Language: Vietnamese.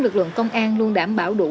còn công an luôn đảm bảo đủ